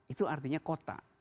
itu artinya kota